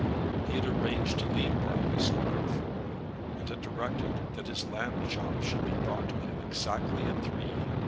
He had arranged to leave Berkeley Square at four, and had directed that his lamb chops should be brought to him exactly at three.